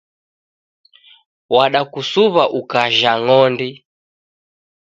Wadakusuw'a ukajha ng'ondi.